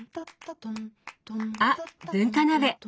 あ文化鍋！